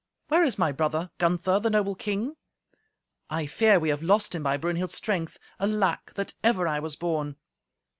Where is my brother Gunther, the noble king? I fear we have lost him by Brunhild's strength. Alack! that ever I was born!"